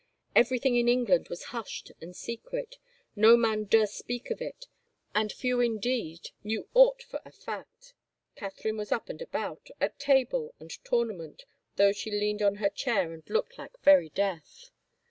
Everything in England was hushed and secret ; no man durst speak of it, and few indeed knew aught for a fact Catherine was up and about, at table and tournament, though she leaned on her chair and looked like very death.